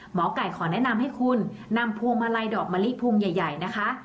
หมอไก่ขอแนะนำให้คุณนำพวงมาลัยดอกมะลิพวงใหญ่นะคะ